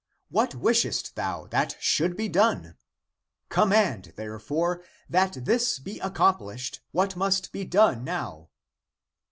What wishest thou that should be done? Command, therefore, that this be accomplished what must be done now."